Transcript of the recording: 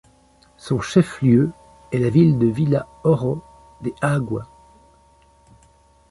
Son chef-lieu est la ville de Villa Ojo de Agua.